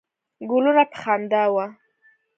ګلونه په خندا وه.